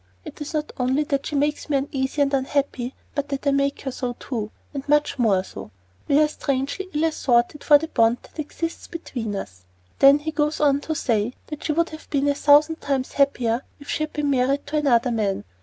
It is not only that she makes me uneasy and unhappy, but that I make her so, too and much more so. We are strangely ill assorted for the bond that exists between us. Then he goes on to say that she would have been a thousand times happier if she had been married to another man.